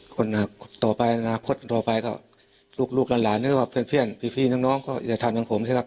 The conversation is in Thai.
คนต่อไปอนาคตต่อไปก็ลูกหลานหรือว่าเพื่อนพี่น้องก็อย่าทำอย่างผมใช่ไหมครับ